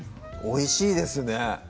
おいしいですね